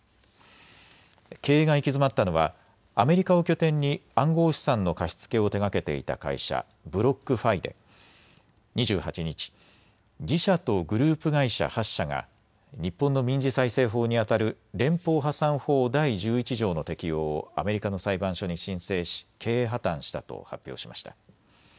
経営が行き詰まったのはアメリカを拠点に暗号資産の貸し付けを手がけていた会社、ブロックファイで２８日、自社とグループ会社８社が日本の民事再生法にあたる連邦破産法第１１条の適用をアメリカの裁判所に申請し経営破綻したと発表しました。